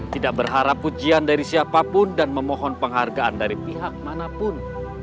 tidak berharap pujian dari siapapun dan memohon penghargaan dari pihak manapun